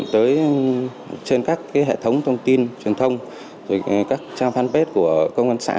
tới trên các hệ thống thông tin truyền thông các trang fanpage của công an xã